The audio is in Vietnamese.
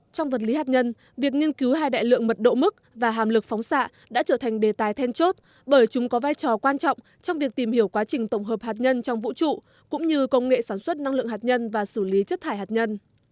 trong vật lý hạt nhân việc nghiên cứu hai đại lượng mật độ mức và hàm lực phóng xạ đã trở thành đề tài then chốt bởi chúng có vai trò quan trọng trong việc tìm hiểu quá trình tổng hợp hạt nhân trong vũ trụ cũng như công nghệ sản xuất năng lượng hạt nhân và xử lý chất thải hạt nhân